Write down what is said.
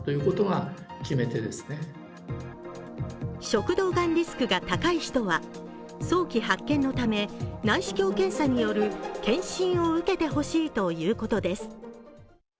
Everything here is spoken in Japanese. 食道がんリスクが高い人は早期発見のため内視鏡検査による検診を受けてほしいということです。